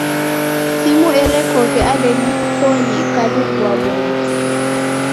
Simu erekoghe andenyi mfukonyi ikalungua modo.